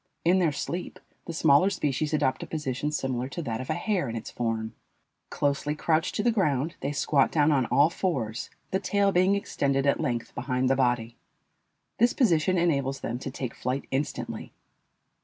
In their sleep the smaller species adopt a position similar to that of a hare in its form. Closely crouched to the ground, they squat down on all fours, the tail being extended at length behind the body. This position enables them to take flight instantly.